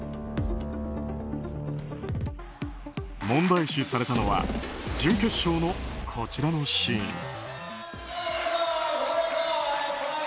問題視されたのは準決勝のこちらのシーン。